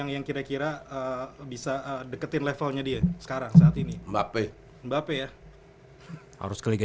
yang kira kira bisa deketin levelnya dia sekarang saat ini mbak pey mbak pe ya harus ke liga